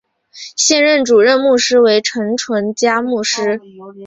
现任主任牧师为陈淳佳牧师。